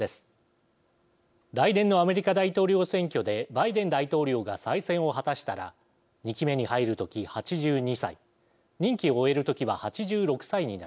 来年のアメリカ大統領選挙でバイデン大統領が再選を果たしたら２期目に入る時８２歳任期を終える時は８６歳になります。